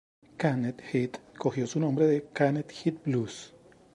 Canned Heat cogió su nombre de "Canned Heat Blues".